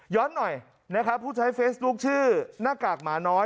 หน่อยนะครับผู้ใช้เฟซบุ๊คชื่อหน้ากากหมาน้อย